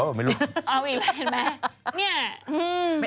อ้าวอีกกว่ามั้ย